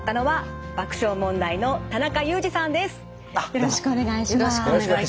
よろしくお願いします。